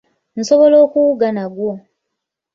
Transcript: Nsobola okuwuga nagwo.